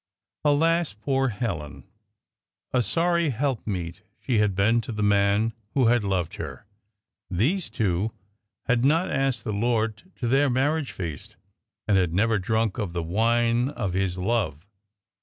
Alas, poor Helen! a sorry helpmeet she had been to the man who had loved her! These two had not asked the Lord to their marriage feast, and had never drunk of the wine of His love.